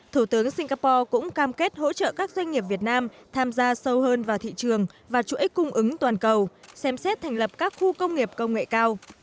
thủ tướng singapore cũng cam kết hỗ trợ các doanh nghiệp việt nam tham gia sâu hơn vào thị trường và chuỗi cung ứng toàn cầu xem xét thành lập các khu công nghiệp công nghệ cao